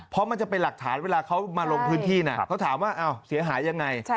เพราะมันจะเป็นหลักฐานเวลาเขามาลงพื้นที่เขาถามว่าเสียหายยังไง